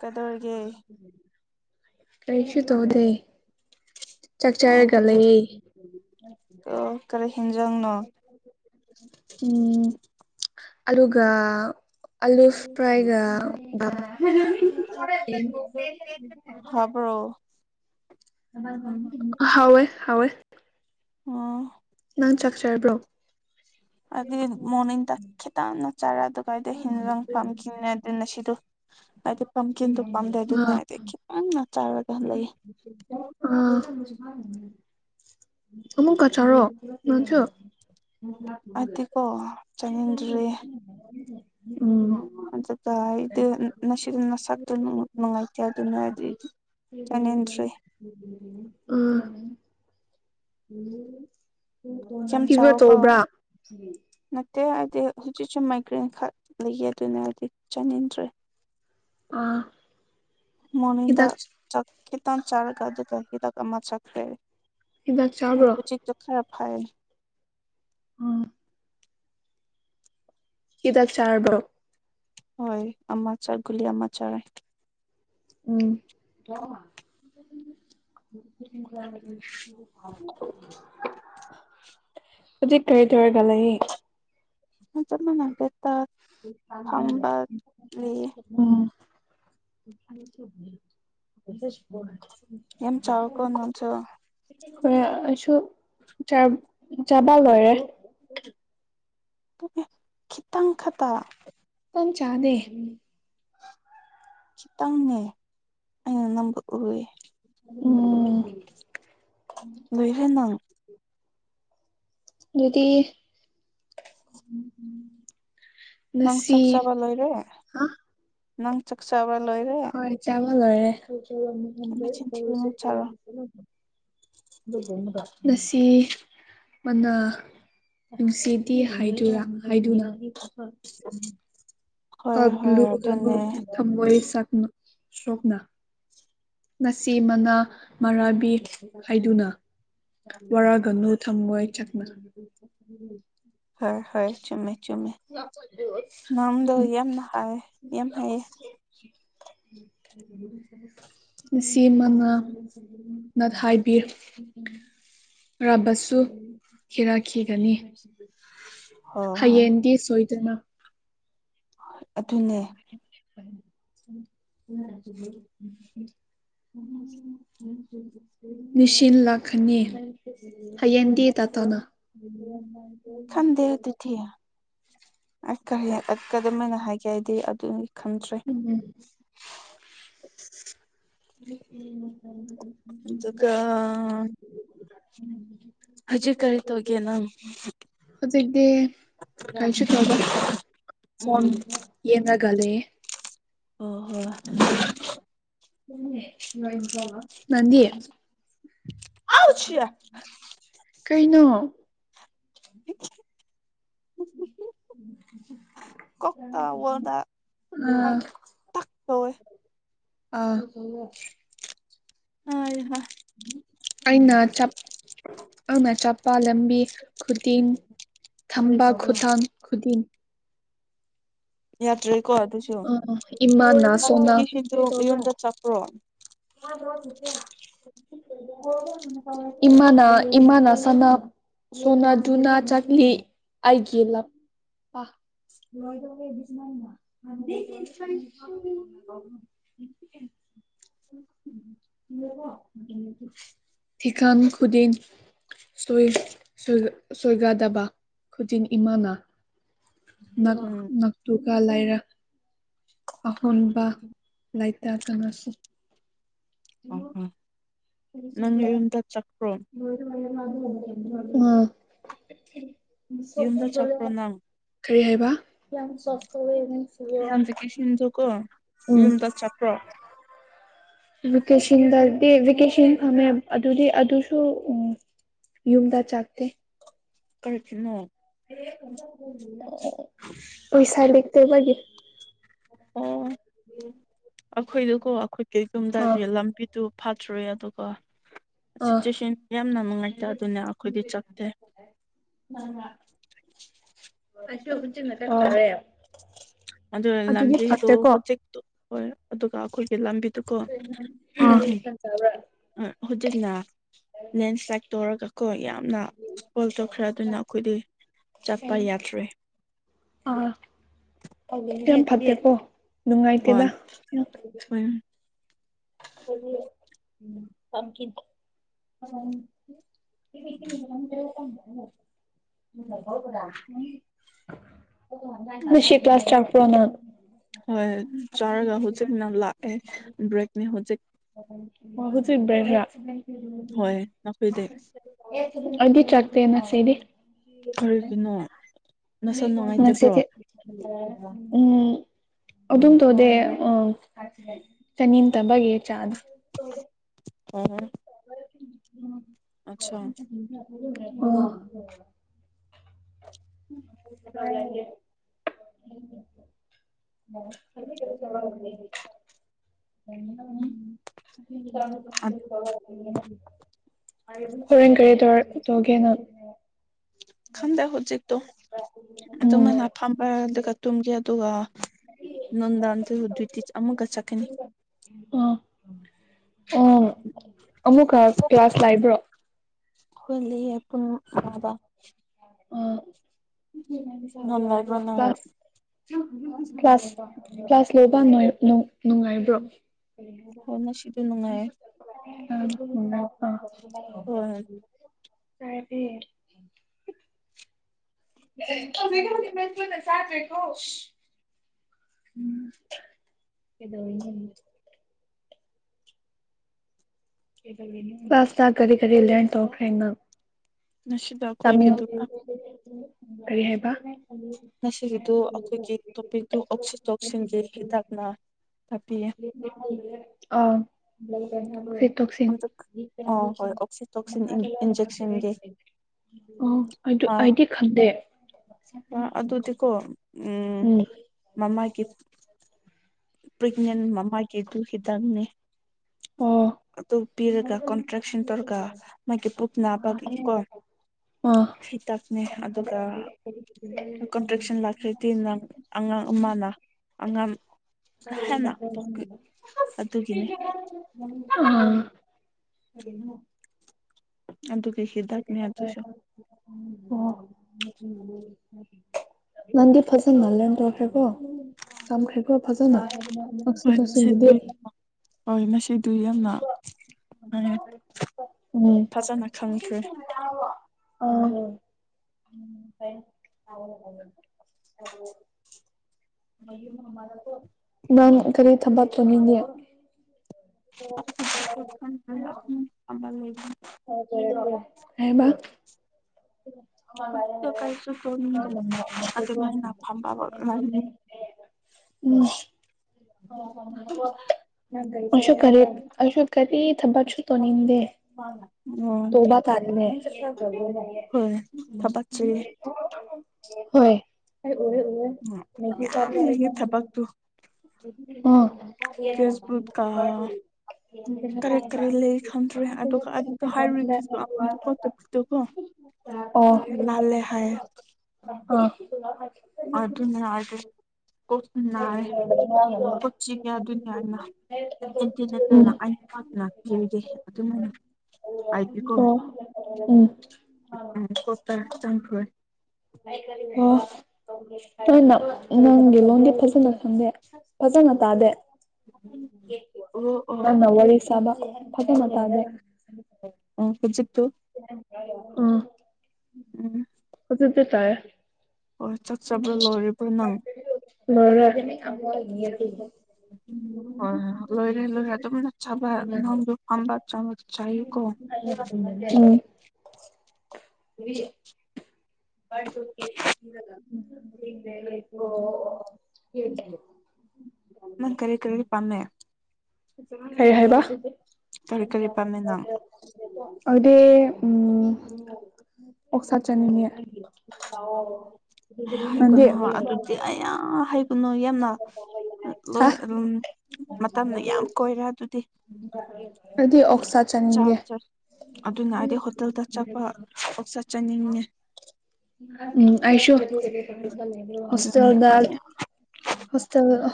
ꯀꯗꯧꯔꯒꯦ ꯀꯩꯁꯨ ꯇꯧꯗꯦ ꯆꯥꯛ ꯑꯣ ꯆꯥꯔꯒ ꯍꯧꯖꯤꯛ ꯂꯩꯌꯦ ꯀꯔ ꯍꯦꯟꯖꯪꯅꯣ ꯎꯝ ꯑꯂꯨꯒ ꯑꯂꯨ ꯐ꯭ꯔꯥꯏꯒ [unintelligible] ꯍꯥꯕ꯭ꯔꯣ ꯍꯣꯏ ꯍꯋꯥꯣꯏ ꯃ ꯅꯪ ꯆꯥꯛ ꯆꯥꯔꯕ꯭ꯔꯣ ꯑꯗꯨꯗꯒꯤꯗꯤ ꯃꯅꯤꯤꯟꯗ ꯈꯦꯇꯅ ꯇꯔꯣ ꯀꯥꯏꯗꯩꯩ ꯍꯤꯟꯖꯥꯡ ꯄꯥꯝꯀꯤꯟꯅꯦ ꯑꯗꯨ ꯅꯁꯤꯗꯣ ꯍꯥꯏꯗꯤ ꯄꯥꯝꯀꯤꯟꯗꯣ ꯄꯥꯝꯗꯦ ꯑꯗꯨꯅ ꯑꯥ ꯍꯥꯏꯗꯤ ꯈꯤꯅ ꯆꯥꯔꯒ ꯂꯩ ꯑꯥ ꯑꯃꯨꯛꯀ ꯆꯥꯔꯣ ꯑꯩꯗꯤꯀꯣ [unintelligible] ꯎꯝ ꯑꯗꯨꯗ ꯑꯩꯗꯤ ꯅꯁꯤꯗꯤ ꯅꯁꯛꯇꯨ ꯅꯨꯡꯉꯥꯏꯇꯦ ꯑꯗꯨꯅ ꯑꯩꯗꯤ ꯆꯥꯅꯤꯡꯗ꯭ꯔꯦ ꯌꯥꯝ ꯐꯤꯕꯔ ꯆꯥꯎꯀꯣ ꯇꯧꯕ꯭ꯔꯥ ꯀ꯭ꯔꯦꯟꯈ ꯂꯩꯌꯦ ꯑꯗꯨꯅ ꯍꯥꯏꯗꯤ ꯆꯥꯅꯤꯡꯟꯗ꯭ꯔꯦ ꯑꯥ ꯃꯣꯔꯅꯤꯡꯗ ꯍꯤꯗꯥꯛ ꯆꯥꯛ ꯈꯤꯇꯪ ꯆꯔꯒ [unintelligible] ꯑꯃ ꯆꯠꯈ꯭ꯔꯦ ꯍꯤꯗꯥꯛ ꯆꯥꯕ꯭ꯔꯣ ꯃꯛꯇꯣ ꯈꯔ ꯍꯥꯏ ꯑꯣ ꯍꯤꯗꯥꯛ ꯆꯥꯔꯔꯕꯣ ꯍꯣꯏ ꯑꯃ ꯆ ꯒꯨꯜꯂꯤ ꯑꯃ ꯆꯥꯔꯦ ꯎꯝ [inaudible] ꯍꯧꯖꯤꯛ ꯀꯔꯤ ꯇꯧꯔꯒ ꯂꯩ ꯌꯦ ꯆꯞ ꯃꯥꯟꯅꯗꯦ ꯂꯩꯌꯦ ꯎꯝ ꯌꯥꯝ ꯆꯥꯎꯔꯦꯀꯣ ꯅꯪꯁꯨ [inaudible] ꯍꯣꯏ ꯑꯩꯁꯨ ꯆꯥꯕꯥ ꯂꯣꯏꯔꯦ ꯈꯤꯇꯪ ꯈꯛꯇ ꯄꯝ ꯆꯥꯗꯦ ꯈꯤꯇꯪꯅꯦ ꯑ ꯅꯝꯕ ꯍꯋꯦ ꯎꯝ ꯂꯏꯔꯦ ꯅꯪ ꯗꯨꯗꯤ ꯎꯝ ꯅꯪ ꯆꯥꯛ ꯆꯕ ꯂꯣꯏꯔꯦ ꯍꯥ ꯅꯪ ꯆꯥꯛ ꯆꯥꯕ ꯂꯣꯏꯔꯦ [unintelligible] ꯃꯆꯤꯟ ꯊꯤꯒꯅꯨ ꯆꯥꯔꯣ [unintelligible] ꯉꯁꯤ ꯃꯅꯥ ꯉꯁꯤꯗꯤ ꯍꯥꯏꯗꯨꯔ ꯍꯥꯏꯗꯨꯅ ꯍꯣꯏ ꯍꯣꯏ ꯑꯗꯨꯅꯦ [unintelligible] ꯊꯝꯕꯣꯣꯏ ꯁꯛꯅ ꯁꯣꯀꯗꯥ ꯉꯁꯤ ꯃꯅꯥ ꯃꯔꯥꯕꯤꯠ ꯍꯥꯏꯗꯨꯅ ꯋꯥꯔꯒꯅꯨ ꯊꯝꯣꯏ ꯆꯠꯅ ꯍꯣꯏ ꯍꯣꯏ ꯆꯨꯝꯃꯦ ꯆꯨꯝꯃꯦ ꯅꯪꯗꯣ ꯌꯥꯝꯅ ꯍꯥꯏ ꯌꯥꯝ ꯍꯩꯌꯦ [unintelligible] ꯎ ꯁꯤꯃꯅ ꯅ ꯍꯥꯏꯕꯤꯌꯨ ꯎꯝ ꯔꯕꯁꯨ ꯊꯤꯔꯛꯈꯤꯒꯅꯤ ꯍꯣꯏ ꯍꯣꯏ ꯍꯌꯦꯡꯗꯤ [unintelligible] ꯍ ꯑꯗꯨꯅꯦ ꯎꯝ ꯎꯅ [unintelligible] ꯅꯤꯡꯁꯤꯟ ꯂꯥꯛꯀꯅꯤ ꯍꯌꯦꯟꯗꯤ ꯇ ꯊꯣꯅ ꯑꯗꯨꯕꯤ ꯈꯗꯦ ꯑꯗꯨꯊꯤ ꯑ ꯀꯔꯤ ꯑꯗ ꯀꯗ ꯃꯅ ꯍꯥꯏꯦ ꯍꯥꯏ ꯑ ꯑꯗꯨ ꯎꯝ ꯎ ꯑꯗꯨꯒ ꯑ ꯍꯧꯖꯤꯛ ꯀꯔꯤ ꯇꯧꯒꯦ ꯅꯪ ꯍꯧꯖꯤꯛꯇꯤ ꯀꯩꯁꯨ ꯇꯧꯗꯦ ꯐꯣꯟ ꯎꯝ ꯌꯦꯉꯒꯥ ꯂꯩꯌꯦ ꯍꯣ ꯎꯝ ꯅꯥꯟꯗꯤ ꯍꯣꯏ ꯀꯩꯅꯣ [unintelligible] ꯀꯣꯛꯇꯥ ꯋꯥꯔꯗꯥ ꯑ ꯇꯥꯛꯄꯋꯦ ꯑ ꯑ ꯋꯥ ꯑꯩꯅ ꯆꯞ ꯑꯃ ꯆꯄ ꯂꯝꯕꯤꯤ ꯈꯨꯗꯤꯡ ꯊꯝꯕꯥ ꯈꯨꯊꯥꯡ ꯈꯨꯗꯤꯡ ꯌꯥꯗ꯭ꯔꯦꯀꯣ ꯑꯗꯨꯁꯨ ꯑ ꯏꯃꯥ ꯅꯅꯥ ꯅꯪ ꯁꯣꯅ ꯚꯦꯀꯦꯁꯟꯗꯨ ꯌꯨꯝꯗ ꯆꯠꯄ꯭ꯔꯣ ꯏꯃꯥꯅ ꯏꯃꯥꯅ ꯁꯅꯥ ꯁꯣꯅꯥ ꯖꯨꯅꯥ ꯆꯖꯠꯅꯤ ꯑꯩꯒꯤꯂ ꯑ ꯂꯣꯏꯗ ꯑꯣꯏꯣꯏꯕꯤꯁ ꯃꯥꯏꯅ [unintelligible] ꯎꯝ ꯊꯤꯈꯥꯟ ꯈꯨꯨꯗꯤꯤꯟ ꯁꯣꯏ ꯁ ꯁꯣꯏꯒꯗꯕꯥ ꯈꯨꯖꯤꯡ ꯏꯃꯥꯅ ꯅꯥꯛ ꯎꯝ ꯅꯥꯛ ꯇꯨ ꯂꯥꯏꯔꯛ ꯑꯍꯣꯟꯕ ꯂꯥꯏꯇꯥ ꯀꯅꯥꯁꯨ ꯑ ꯅꯪ ꯌꯨꯝꯗ ꯆꯠꯈ꯭ꯔꯣ ꯑꯥ ꯌꯨꯝꯗ ꯆꯄ꯭ꯔꯣ ꯅꯪ ꯀꯔꯤ ꯍꯥꯏꯕ ꯌꯥꯝ ꯁꯁ ꯍꯅꯤ ꯁꯤ ꯅꯪ ꯚꯦꯀꯦꯁꯟꯗꯨꯀꯣ ꯎꯝ ꯌꯨꯝꯗ ꯆꯠꯄ꯭ꯔꯣ ꯦꯀꯦꯁꯟꯗ ꯚꯦꯀꯦꯁꯟ ꯐꯝꯃꯦ ꯑꯗꯨꯗꯤ ꯑꯗꯨꯁꯨ ꯎ ꯌꯨꯝꯗ ꯆꯥꯛꯀꯦ ꯀꯈꯤꯅꯣ ꯄꯩꯁꯥ ꯗꯇ ꯃꯥꯒꯤ ꯑꯣ ꯑꯩꯈꯣꯏꯗꯨꯀꯣ ꯑꯩꯈꯣꯏ ꯀꯩ ꯌꯨꯝꯗꯗꯤ ꯑꯥ ꯂꯝꯕꯤꯗꯨ ꯐꯥꯠꯇ꯭ꯔꯨꯦ ꯑꯗꯨꯒꯣ ꯑꯥ ꯁꯤꯆꯨꯋꯦꯁꯟ ꯌꯥꯝꯅ ꯅꯨꯡꯉꯥꯏꯇꯔꯦ ꯑꯗꯨꯅꯦ ꯑꯩꯈꯣꯏꯗꯤ ꯆꯠꯇꯦ ꯑꯗꯨꯗꯣ ꯑꯗꯨꯗꯤ ꯂꯥꯟꯇꯦ ꯇꯣ ꯐꯠꯇꯦꯀꯣ ꯎꯆꯣ ꯍꯣꯏ ꯑꯗꯨꯒ ꯑꯩꯈꯣꯏꯒꯤ ꯂꯝꯕꯤ ꯑꯗꯨꯀꯣ ꯍꯧꯖꯤꯛꯅ ꯂꯦꯟꯁ꯭ꯂꯥꯏꯠ ꯇꯧꯔꯒꯀꯣ ꯌꯥꯝꯅ ꯐꯣꯜ ꯇꯣꯛꯈ꯭ꯔ ꯑꯗꯨꯅ ꯑꯩꯈꯣꯏꯗꯤ ꯆꯠꯄ ꯌꯥꯗ꯭ꯔꯦ ꯑ ꯐꯦꯣ ꯅꯨꯡꯉꯥꯏꯇꯦꯗ ꯍꯣꯏ ꯍꯣꯏ ꯍꯥꯏꯗꯤ ꯎꯝ ꯇꯀꯤ ꯁꯤꯁ ꯐꯅ ꯍꯣꯏ ꯆꯥꯔꯒ ꯍꯧꯖꯤꯛꯅ ꯂꯥꯛꯑꯦ ꯕ꯭ꯔꯦꯛꯅꯤ ꯍꯧꯖꯤꯛ ꯥꯎꯗꯤꯕꯔꯌꯥ ꯍꯣꯏ ꯅꯈꯣꯏꯗ ꯁꯤꯕꯤ ꯁꯤ ꯅꯁꯥ ꯅꯨꯡꯉꯥꯏꯇꯕ꯭ꯔꯣ ꯎꯝ ꯑꯗꯨ ꯑꯗꯨꯝ ꯇꯣꯗꯦ ꯎꯝ ꯀꯅꯤ ꯇ ꯑꯃꯒꯤꯒꯤ ꯆꯥꯟꯁ ꯑ ꯑꯆꯥ ꯑ ꯦ ꯀ ꯍꯔꯡꯒꯥꯔꯔꯤꯗꯔ ꯇꯒꯦꯅ ꯈꯪꯗꯦ ꯍꯧꯖꯤꯛꯇꯣ ꯎꯝ ꯑꯗꯨꯃꯥꯏꯅ ꯐꯝꯕ ꯑꯗꯨꯒ ꯇꯨꯝꯒꯦ ꯑꯗꯨꯒ ꯅꯨꯡꯗꯥꯟꯗꯗꯏꯇꯤ ꯑꯃꯒ ꯆꯠꯀꯅꯤ ꯎꯝ ꯑꯃꯨꯛꯀ ꯀ꯭ꯂꯥꯁ ꯂꯥꯛꯕ꯭ꯔꯣ ꯍꯣꯏ ꯂꯩ ꯄꯨꯨꯡꯕꯥ ꯎꯝ ꯅꯨꯡꯉꯥꯏꯕ꯭ꯔꯣ ꯅꯪ [unintelligible] ꯀ꯭ꯂꯥꯁ ꯀ꯭ꯂꯥꯁ ꯂꯣꯏꯧꯕ ꯅꯨꯡꯉꯥꯏꯕ꯭ꯔꯣ [unintelligible] ꯍꯣꯏ ꯉꯁꯤꯗꯤ ꯅꯨꯡꯉꯥꯏꯌꯦ ꯍ [unintelligible] ꯍꯣꯏ ꯀ ꯐ [unintelligible] ꯁꯥꯣꯗ ꯄꯥꯁ ꯇꯥ ꯀꯔꯤ ꯀꯔꯤ ꯂ ꯇꯣꯛꯈ꯭ꯔꯦꯅ ꯉꯁꯤꯗꯣ ꯇꯃꯤꯜ ꯑꯩꯈꯣꯏꯒꯤꯗꯨ ꯎ ꯀꯔꯤ ꯍꯥꯏꯕ ꯉꯁꯤꯒꯤꯗꯨ ꯑꯩꯈꯣꯏꯒꯤ ꯇꯣꯄꯤꯛꯇꯣ ꯑꯣꯛꯁꯤꯟ ꯇꯣꯛꯁꯤꯟꯒꯤ ꯍꯤꯗꯥꯛꯅ ꯇꯥꯛꯄꯤꯌꯦ ꯑꯥ ꯑꯝꯇ ꯑꯣ ꯍꯣꯏ ꯑꯣꯛꯁꯤꯇꯣꯛꯁꯤꯟ ꯏꯟꯖꯦꯛꯁꯟꯒꯤ [unintelligible] ꯑꯣ ꯃꯥ ꯑꯩꯗꯤ ꯈꯪꯗꯦ ꯑꯗꯨꯗꯤꯀꯣ ꯎꯝ ꯃꯃꯥꯒꯤ ꯄ꯭ꯔꯦꯒꯅꯦꯟ ꯃꯃꯥꯒꯤ ꯑꯗꯨ ꯍꯤꯇꯪꯅꯤ ꯑꯣ ꯑꯗꯨ ꯄꯤꯔꯒ ꯀꯣꯟꯇ꯭ꯔꯦꯛꯁꯟ ꯇꯧꯔꯒ ꯃꯥꯒꯤ ꯄꯨꯛ ꯅꯥꯕꯒꯤꯀꯣ ꯑꯥ ꯍꯤꯇꯥꯛꯅꯦ ꯑꯗꯨꯒ ꯀꯣꯟꯇ꯭ꯔꯦꯛꯁꯟ ꯂꯥꯛꯈ꯭ꯔꯗꯤ ꯅꯪ ꯑꯉꯥꯡ ꯑꯃꯅ ꯑꯉꯝ ꯑꯗꯨꯒꯤꯅꯦ [unintelligible] ꯑꯥ ꯍꯅ ꯑꯗꯨ ꯀꯩ ꯍꯗ ꯅ ꯑꯗꯨ ꯁ ꯑꯣ [unintelligible] ꯅꯗꯤ ꯐꯖꯅ ꯃꯥꯜꯂ ꯇꯧꯈ꯭ꯔꯦꯀꯣ ꯇꯝꯈ꯭ꯔꯦꯀꯣ ꯐꯖꯅ ꯇꯛꯁꯤ ꯍ ꯇꯧꯁꯤꯟꯒꯤꯗꯤ ꯍꯣꯏ ꯑꯗꯨ ꯌꯥꯝꯅ ꯍꯥꯏꯌꯦꯦ ꯎꯝ ꯈꯪꯈ꯭ꯔꯦ ꯑꯥ ꯎꯝ ꯅꯥꯟ ꯀꯔꯤ ꯊꯝꯕꯥꯅꯤꯡꯦ ꯑꯣ ꯍꯥꯏꯕ ꯀꯥꯏꯁꯨ ꯑꯗ ꯃ ꯅꯐꯝꯕ ꯂ ꯎꯝ ꯑꯣ ꯑꯁꯨ ꯀꯔꯤ ꯑꯁꯨ ꯀꯔꯤ ꯊꯕꯛꯁꯨ ꯇꯧꯅꯤꯡꯗꯦ ꯑꯣ ꯇꯣꯕ ꯇꯥꯔꯤꯅꯦ ꯁꯤ ꯍꯣꯏ ꯌꯥꯝ ꯊꯕꯥꯛꯨ ꯑ ꯐꯦꯁꯕꯨꯛꯀ ꯀꯔꯤ ꯀꯔꯤ ꯂꯩ ꯈꯪꯗ꯭ꯔꯦ ꯑꯗꯨꯒ ꯍꯥꯏꯔꯨꯏꯦꯕꯨꯛꯀꯣ ꯂꯥꯜꯂꯦ ꯍꯥꯏꯌꯦ ꯑ ꯑꯗꯨ ꯑꯗꯨꯅ ꯑꯗꯨ ꯑꯗꯨ ꯎꯝ ꯀꯁ ꯑ ꯑꯣ ꯄꯨꯆꯤ ꯀꯌꯥ ꯑꯗꯨ ꯌꯥꯅ ꯏꯟꯇꯔꯅꯦꯠ ꯑꯥꯛ ꯂꯥꯛ ꯗꯤ ꯑꯗꯨꯃꯥꯏꯅ ꯍꯥꯏꯕꯤꯌꯨꯀꯣ ꯎꯝ ꯎꯝ ꯀꯣꯛ ꯇ ꯆꯪꯈ꯭ꯔꯣꯏ ꯀ ꯅꯪꯒꯤ ꯂꯣꯟꯒꯤ ꯐ ꯎ ꯈꯪꯗꯦ ꯐꯖꯅ ꯇꯥꯗꯦ ꯑꯣ ꯑꯣ ꯅꯥꯟ ꯋꯥꯂꯤ ꯁꯥꯕ ꯐꯠꯇꯃ ꯇ꯭ꯔꯦ ꯑꯣ ꯈꯟꯖꯤꯠꯇꯨ ꯎꯝ ꯍꯧꯖꯤꯗꯤ ꯇꯥꯏ ꯍꯣꯏ ꯆꯥꯛ ꯆꯥꯕ ꯂꯣꯏꯔꯕ꯭ꯔꯣ ꯅꯪ ꯍꯣꯏ ꯍꯣꯏ ꯂꯣꯏꯔꯦ ꯂꯣꯏꯔꯦ [unintelligible] ꯆꯃ ꯆ ꯀꯣ ꯎꯝ [unintelligible] ꯋꯥ ꯁꯠꯀꯦꯖꯒ ꯎꯝ ꯅꯪ ꯀꯔꯤ ꯀꯔꯤꯗꯤ ꯄꯥꯝꯃꯦ ꯀꯔꯤ ꯍꯥꯏꯕ ꯀꯔꯤ ꯀꯔꯤ ꯄꯥꯝꯃꯦ ꯅꯪ ꯑꯗꯨꯗꯤ ꯎꯝ ꯎ ꯑꯣꯛ ꯁꯥꯠ ꯆꯠꯅꯤꯡꯅꯦ [unintelligible] ꯀꯅꯨ ꯌꯥꯝꯅ ꯂꯣꯏ ꯃꯇꯝꯅ ꯌꯥꯝ ꯀꯣꯏꯔꯦ ꯑꯗꯨꯗꯤ ꯑꯩꯗꯤ ꯑꯣꯛꯁꯥ ꯆ ꯆꯥꯅꯤꯡꯉꯦ ꯆ ꯑꯗꯨꯅ ꯍꯥꯏꯗꯤ ꯍꯣꯇꯦꯜꯗ ꯆꯠꯄ ꯆꯠꯆꯅꯤꯡꯉꯦ ꯎꯝ ꯑꯁꯨ ꯑꯗꯨꯅꯦ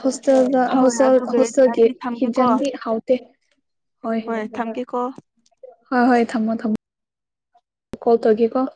ꯍꯣꯇꯦꯜꯗ ꯍꯦꯜ ꯍꯣꯇꯦꯜ ꯍ ꯍꯣꯏ ꯑꯗꯨꯒ ꯍꯣꯁꯇꯦꯜꯒꯤ ꯑꯩꯗꯤ ꯊꯝꯒꯦꯀꯣ ꯍꯤꯖꯗꯤ ꯍꯥꯎꯇꯦ ꯍ ꯍꯣꯏ ꯊꯝꯒꯦꯀꯣ ꯍ ꯍꯣꯏ ꯊꯝꯃꯣ ꯊꯝꯃꯣ ꯀꯣꯜ ꯇꯧꯒꯦꯀꯣ